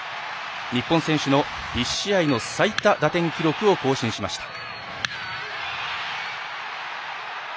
日本選手の１試合の最多打点記録を更新しました。